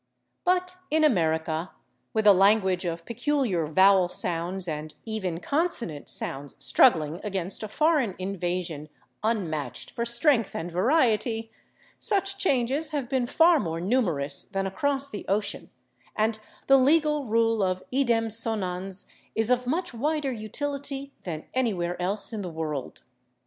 But in America, with a language of peculiar vowel sounds and even consonant sounds struggling against a foreign invasion unmatched for strength and variety, such changes have been far more numerous than across the ocean, and the legal rule of /idem sonans/ is of much wider utility than anywhere else in the world.